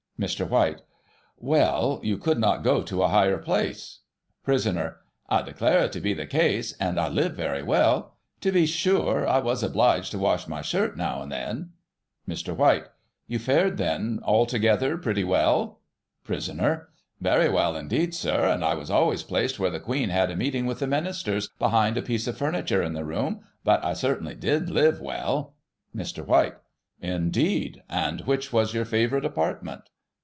Mr. White: Well, you could not go to a higher place. Prisoner : I declare it to be the case, and I lived very well. To be sure, I was obliged to wash my shirt now and then. Mr. White : You fared, then, altogether, pretty well ? Prisoner t Very well indeed, Sir, and I was always placed, when the Queen had a meeting with the Ministers^ behind a piece of furniture in the room ; but I, certainly, did live well. Mr. White: Indeed! And which was your favourite apartment